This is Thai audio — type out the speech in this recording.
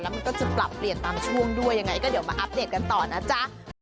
มันก็จะปรับเปลี่ยนตามช่วงด้วยยังไงก็เดี๋ยวมาอัปเดตกันต่อนะจ๊ะ